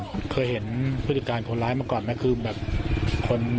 ครับเคยเห็นพฤติการคนร้ายมาก่อนไหมคือแบบคนมาวนดูอะไรอย่างนี้เคยเห็นไหม